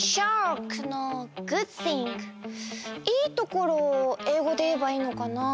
いいところをえいごでいえばいいのかなあ。